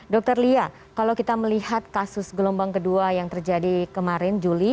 dr lia kalau kita melihat kasus gelombang kedua yang terjadi kemarin juli